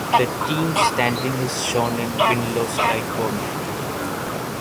The team's standing is shown in win-loss-tie format.